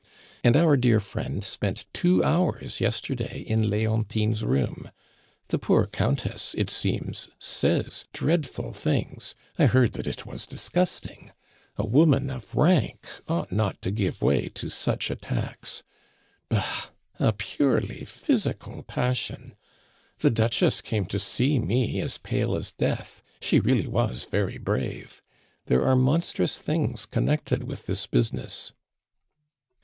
And our dear friend spent two hours yesterday in Leontine's room. The poor Countess, it seems, says dreadful things! I heard that it was disgusting! A woman of rank ought not to give way to such attacks. Bah! A purely physical passion. The Duchess came to see me as pale as death; she really was very brave. There are monstrous things connected with this business."